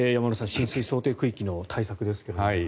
浸水想定区域の対策ですが。